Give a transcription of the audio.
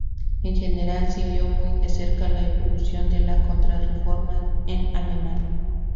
En general, siguió muy de cerca la evolución de la Contrarreforma en Alemania.